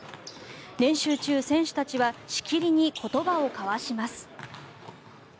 練習中、選手たちはしきりに言葉を交わします。